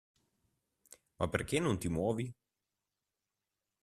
Ma perché non ti muovi?